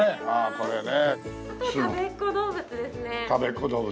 これね。